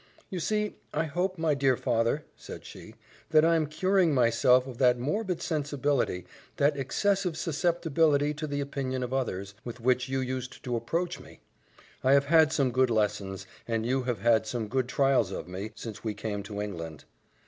"You see, I hope, my dear father," said she, "that I am curing myself of that morbid sensibility, that excessive susceptibility to the opinion of others, with which you used to reproach me. I have had some good lessons, and you have had some good trials of me, since we came to England."